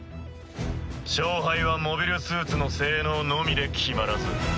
勝敗はモビルスーツの性能のみで決まらず。